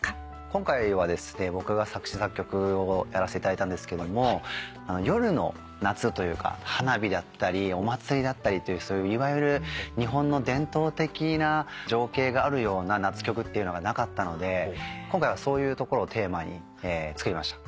今回は僕が作詞作曲をやらせていただいたんですけど夜の夏というか花火だったりお祭りだったりいわゆる日本の伝統的な情景があるような夏曲っていうのがなかったので今回はそういうところをテーマに作りました。